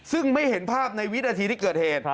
ซึ่งไม่เห็นภาพในวินาทีที่เกิดเหตุ